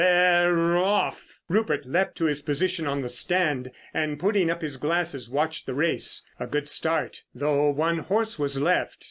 "They're off!" Rupert leapt to his position on the stand and putting up his glass watched the race. A good start, though one horse was left.